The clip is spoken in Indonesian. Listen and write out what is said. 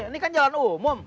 ini kan jalan umum